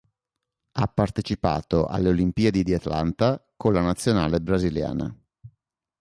Ha partecipato alle Olimpiadi di Atlanta con la nazionale brasiliana.